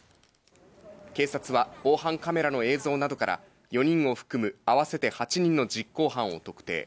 警察は防犯カメラの映像などから４人を含む合わせて８人の実行犯を特定。